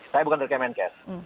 saya bukan dari kemenkes